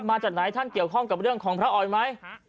มาจากไหนท่านเกี่ยวข้องกับเรื่องของพระออยไหม